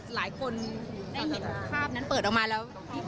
หลายคนได้เห็นภาพนั้นเปิดออกมาแล้ว